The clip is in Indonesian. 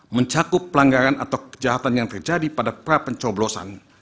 mencakup pelanggaran atau kejahatan yang terjadi pada prapencoblosan